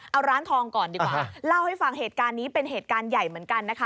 เอาร้านทองก่อนดีกว่าเล่าให้ฟังเหตุการณ์นี้เป็นเหตุการณ์ใหญ่เหมือนกันนะคะ